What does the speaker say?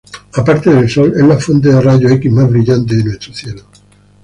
Aparte del Sol, es la fuente de rayos X más brillante de nuestro cielo.